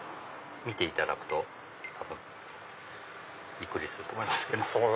見ていただくと多分びっくりすると思います。